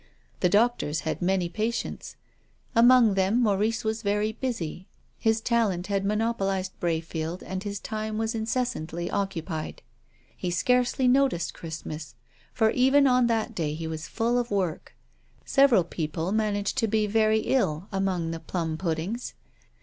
The doctors had many patients. Among them Maurice was very busy. His talent had monopolised Brayfield and his time was incessantly occupied. He scarcely no ticed Christmas. For even on that day he was full of work. Several people managed to be very ill among the plum puddings.